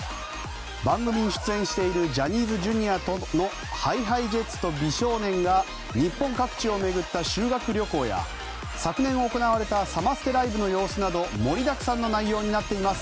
番組に出演しているジャニーズＪｒ．のＨｉＨｉＪｅｔｓと美少年が日本各地を巡った修学旅行や昨年行われたサマステライブの様子など盛りだくさんの内容になっています。